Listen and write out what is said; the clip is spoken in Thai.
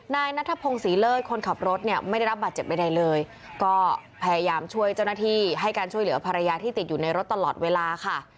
นายนัทพงศรีเลิศคนขับรถเนี่ยไม่ได้รับบาดเจ็บใดเลยก็พยายามช่วยเจ้าหน้าที่ให้การช่วยเหลือภรรยาที่ติดอยู่ในรถตลอดเวลาค่ะ